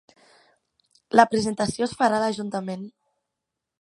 La presentació es farà a l'Ajuntament